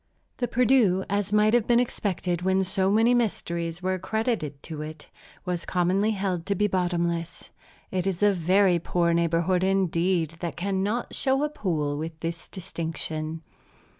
The Perdu, as might have been expected when so many mysteries were credited to it, was commonly held to be bottomless. It is a very poor neighborhood indeed, that cannot show a pool with this distinction.